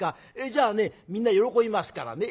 じゃあねみんな喜びますからね。